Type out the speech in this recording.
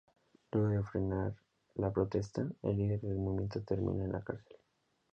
Luego de frenar la protesta, el líder del movimiento termina en la cárcel.